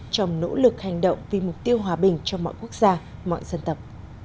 trong nỗ lực hành động vì mục tiêu hòa bình cho mọi quốc gia mọi dân tộc